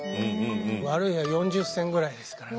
悪い時４０銭ぐらいですからね。